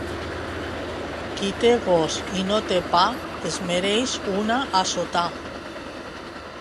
Qui té gos i no té pa, es mereix una «assotà».